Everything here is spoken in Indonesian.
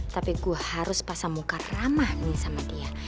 tapi gue harus pasang muka ramah ini sama dia